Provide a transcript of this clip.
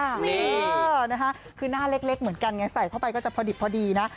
นี่นะคะคือหน้าเล็กเหมือนกันไงใส่เข้าไปก็จะพอดิบพอดีนะ